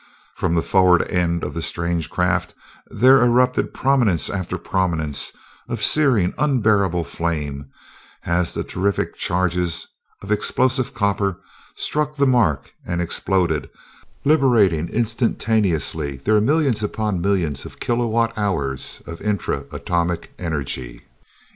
From the forward end of the strange craft there erupted prominence after prominence of searing, unbearable flame as the terrific charges of explosive copper struck the mark and exploded, liberating instantaneously their millions upon millions of kilowatt hours of intra atomic energy.